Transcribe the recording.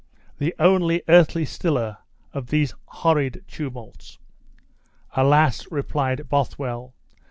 the only earthly stiller of these horrid tumults!" "Alas!" replied Bothwell.